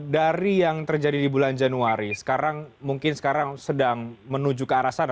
dari yang terjadi di bulan januari sekarang mungkin sekarang sedang menuju ke arah sana